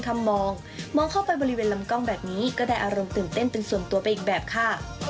มองมองเข้าไปบริเวณลำกล้องแบบนี้ก็ได้อารมณ์ตื่นเต้นเป็นส่วนตัวไปอีกแบบค่ะ